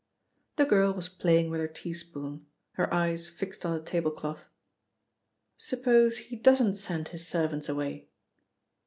The girl was playing with her teaspoon, her eyes fixed on the tablecloth. "Suppose he doesn't send his servants away?"